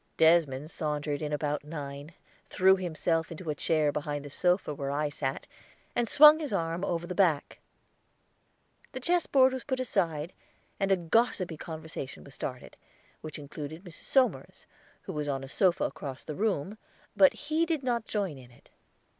Desmond sauntered in about nine, threw himself into a chair behind the sofa where I sat, and swung his arm over the back. The chessboard was put aside, and a gossipy conversation was started, which included Mrs. Somers, who was on a sofa across the room, but he did not join in it.